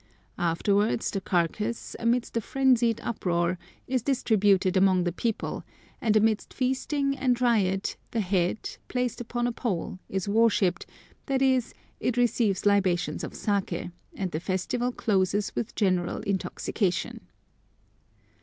Afterwards the carcass, amidst a frenzied uproar, is distributed among the people, and amidst feasting and riot the head, placed upon a pole, is worshipped, i.e. it receives libations of saké, and the festival closes with general intoxication.